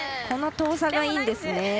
この遠さがいいんですね。